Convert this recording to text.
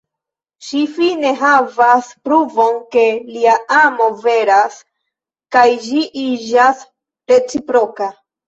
Ŝi fine havas pruvon ke lia amo veras, kaj ĝi iĝas reciproka.